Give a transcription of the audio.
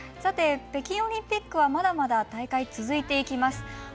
北京オリンピックはまだまだ大会続いていきます。